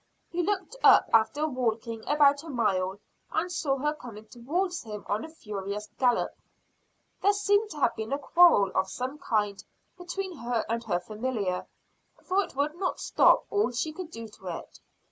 He looked up after walking about a mile, and saw her coming towards him on a furious gallop. There seemed to have been a quarrel of some kind between her and her familiar, for it would not stop all she could do to it.